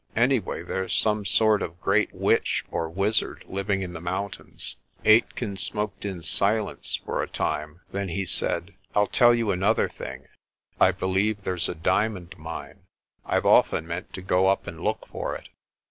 Anyway there's some sort of great witch or wizard living in the mountains." Aitken smoked in silence for a time; then he said, "I'll tell you another thing. I believe there's a diamond mine. I've often meant to go up and look for it."